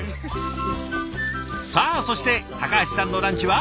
さあそして高橋さんのランチは？